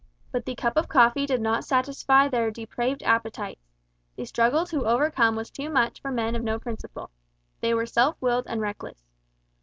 But the cup of coffee did not satisfy their depraved appetites. The struggle to overcome was too much for men of no principle. They were self willed and reckless.